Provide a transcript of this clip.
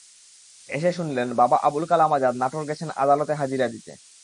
এসে শুনলেন বাবা আবুল কালাম আজাদ নাটোর গেছেন আদালতে হাজিরা দিতে।